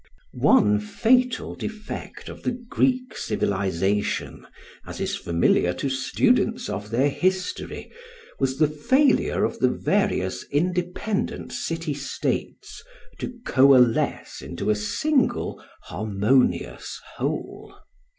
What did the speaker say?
One fatal defect of the Greek civilisation, as is familiar to students of their history, was the failure of the various independent city states to coalesce into a single harmonious whole.